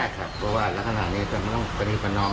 ใช่ค่ะเพราะว่าแล้วขนาดนี้ก็ไม่ต้องเป็นอีกปัญหาน้อง